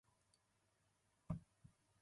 アンジェリーナジョリーと握手した